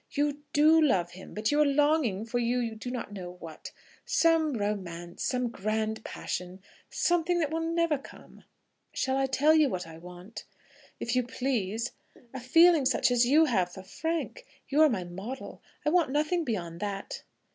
"You do love him; but you are longing for you do not know what; some romance, some grand passion, something that will never come." "Shall I tell you what I want?" "If you please." "A feeling such as you have for Frank. You are my model; I want nothing beyond that."